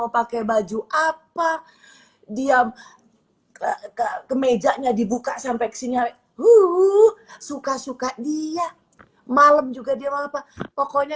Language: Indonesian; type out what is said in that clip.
pakai baju apa diam ke kemejanya dibuka sampai sini uh suka suka dia malam juga dia apa pokoknya